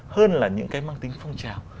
hơn là những cái mang tính phong trào